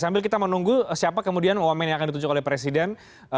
sambil kita menunggu siapa kemudian wamen yang akan ditunjuk oleh presiden